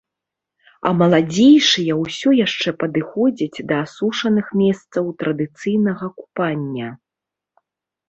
А маладзейшыя ўсё яшчэ падыходзяць да асушаных месцаў традыцыйнага купання.